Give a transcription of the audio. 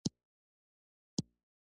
قومونه د افغانستان د طبیعي زیرمو برخه ده.